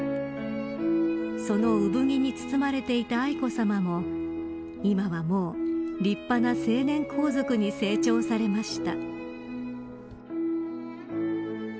その産着に包まれていた愛子さまも今はもう、立派な青年皇族に成長されました。